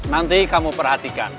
nanti kamu perhatikan